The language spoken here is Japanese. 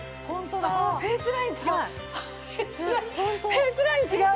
フェイスライン違う！